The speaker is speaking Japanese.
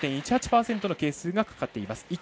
９７．１８％の係数がかかっています。